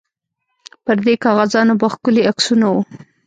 پر دې کاغذانو به ښکلي عکسونه وو.